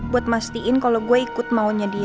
buat mastiin kalau gue ikut maunya dia